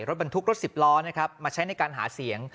รถบรรทุกรถสิบล้อนะครับมาใช้ในการหาเสียง